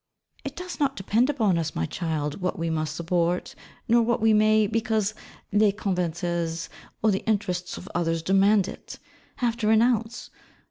It does not depend upon us, my child, what we must support, nor what we may, because les convenances or the interests of others demand it, have to renounce.